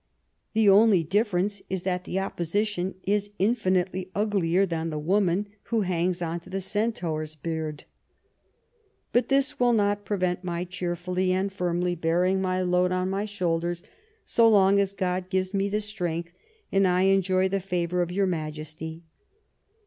The only difference is that the Opposition is infinitely uglier than the woman who hangs on to the centaur's beard. " But this will not prevent my cheerfully and firmly bearing my load on my shoulders so long as God gives me the strength, and I enjoy the favour of your Majesty."